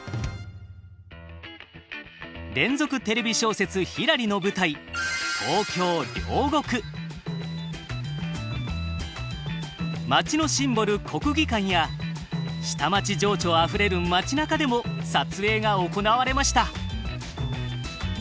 連続テレビ小説「ひらり」の舞台町のシンボル国技館や下町情緒あふれる町なかでも撮影が行われました。